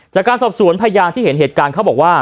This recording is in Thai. จากการสอบสวนพยานที่เห็นเหตุการณ์เขาบอกว่า